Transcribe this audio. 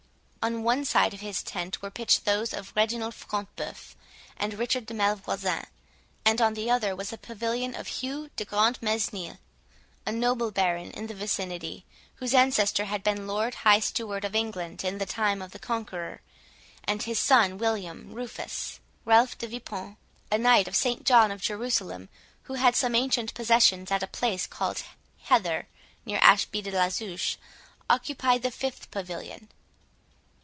On one side of his tent were pitched those of Reginald Front de Bœuf and Richard de Malvoisin, and on the other was the pavilion of Hugh de Grantmesnil, a noble baron in the vicinity, whose ancestor had been Lord High Steward of England in the time of the Conqueror, and his son William Rufus. Ralph de Vipont, a knight of St John of Jerusalem, who had some ancient possessions at a place called Heather, near Ashby de la Zouche, occupied the fifth pavilion.